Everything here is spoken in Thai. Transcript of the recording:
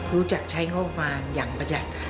รู้จักใช้งอกมายังพยัด